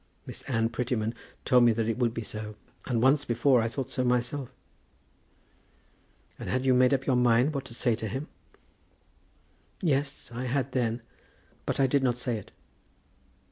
Miss Anne Prettyman told me that it would be so; and once before I thought so myself." "And had you made up your mind what to say to him?" "Yes, I had then. But I did not say it."